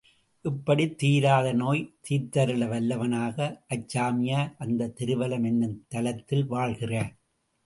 இப்படி தீராத நோய் தீர்த்தருள வல்லானாக அச்சாமியார் அந்தத் திருவலம் என்னும் தலத்தில் வாழ்கிறார்.